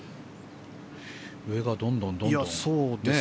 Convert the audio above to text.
上がどんどん、どんどん。